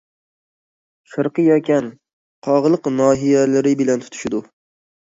شەرقى يەكەن، قاغىلىق ناھىيەلىرى بىلەن تۇتىشىدۇ.